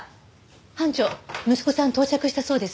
班長息子さん到着したそうです。